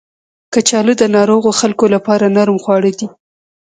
کچالو د ناروغو خلکو لپاره نرم خواړه دي